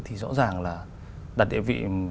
thì rõ ràng là đặt địa vị